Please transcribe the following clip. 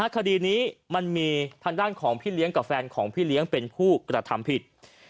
คดีนี้มันมีทางด้านของพี่เลี้ยงกับแฟนของพี่เลี้ยงเป็นผู้กระทำผิด